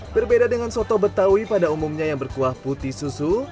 berbeda dengan soto betawi pada umumnya yang berkuah putih susu